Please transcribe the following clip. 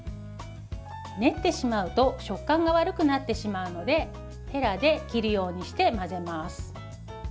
練ってしまうと食感が悪くなってしまうのでへらで切るようにして混ぜます。